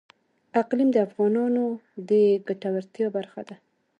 اقلیم د افغانانو د ګټورتیا برخه ده.